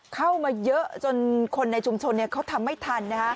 เข้ามาเยอะจนคนในชุมชนเขาทำไม่ทัน